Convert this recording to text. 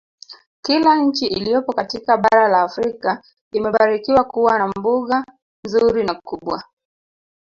Kila nchi iliyopo katika bara la Afrika imebarikiwa kuwa na mbuga nzuri na kubwa